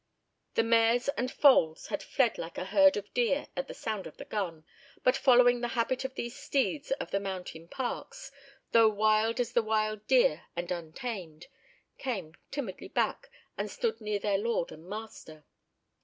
The mares and foals had fled like a herd of deer at the sound of the gun, but following the habit of these steeds of the mountain parks, though "wild as the wild deer, and untamed," came timidly back, and stood near their lord and master.